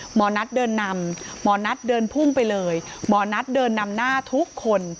หมอนัทเดินนำหมอนัทเดินพุ่งไปเลยหมอนัทเดินนำหน้าทุกคน